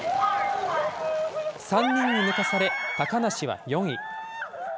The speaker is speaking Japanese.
３人に抜かされ、高梨は４位。